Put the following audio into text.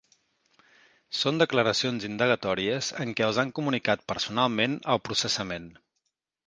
Són declaracions indagatòries en què els han comunicat personalment el processament.